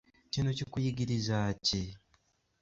Kino kukuyigirizaaki?